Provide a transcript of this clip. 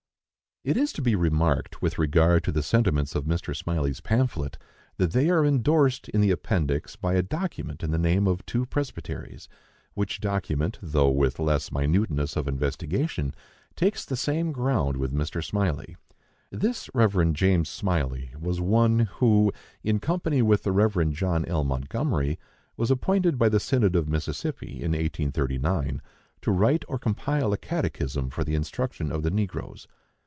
It is to be remarked, with regard to the sentiments of Mr. Smylie's pamphlet, that they are endorsed in the appendix by a document in the name of two presbyteries, which document, though with less minuteness of investigation, takes the same ground with Mr. Smylie. This Rev. James Smylie was one who, in company with the Rev. John L. Montgomery, was appointed by the synod of Mississippi, in 1839, to write or compile a catechism for the instruction of the negroes.